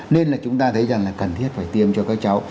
nên là chúng ta thấy rằng là cần thiết phải tiêm cho các cháu